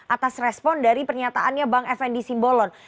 atas respon dari pernyataannya bang fnd simbolon